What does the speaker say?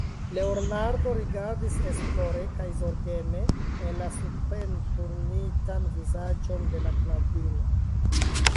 Leonardo rigardis esplore kaj zorgeme en la suprenturnitan vizaĝon de la knabino.